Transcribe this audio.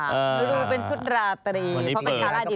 ดูเป็นชุดราตรี